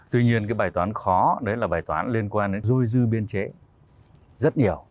tuy nhiên cái bài toán khó đấy là bài toán liên quan đến dôi dư biên chế rất nhiều